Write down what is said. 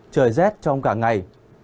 trời rét trong cả ngày